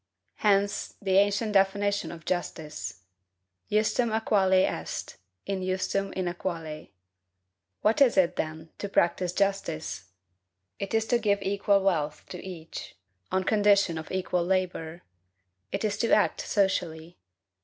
Hence, the ancient definition of justice Justum aequale est, injustum inaequale. What is it, then, to practise justice? It is to give equal wealth to each, on condition of equal labor. It is to act socially.